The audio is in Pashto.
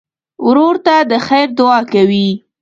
ورور ته د خیر دعا کوې.